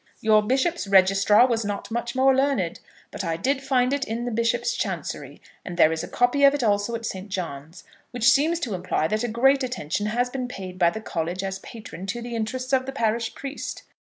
Your bishop's registrar was not much more learned, but I did find it in the bishop's chancery; and there is a copy of it also at Saint John's, which seems to imply that great attention has been paid by the college as patron to the interests of the parish priest.